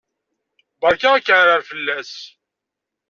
Berka akaɛrer fell-as!